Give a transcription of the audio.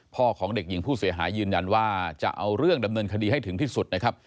ของเด็กหญิงผู้เสียหายยืนยันว่าจะเอาเรื่องดำเนินคดีให้ถึงที่สุดนะครับ